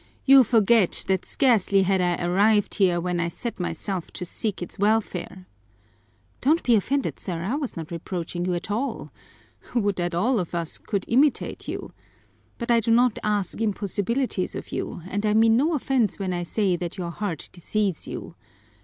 "You forget that scarcely had I arrived here when I set myself to seek its welfare." "Don't be offended, sir, I was not reproaching you at all. Would that all of us could imitate you! But I do not ask impossibilities of you and I mean no offense when I say that your heart deceives you.